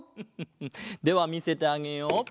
フフフではみせてあげよう。